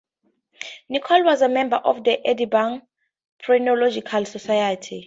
Nichol was a member of the Edinburgh Phrenological Society.